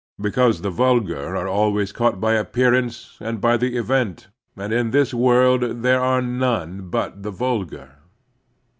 . because the vulgar are always caught by appearance and by the event, and in this world there are none but the vulgar."